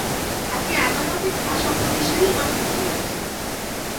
আপনি আমার অপেক্ষা সকল বিষয়েই অনেক ভালো বুঝেন।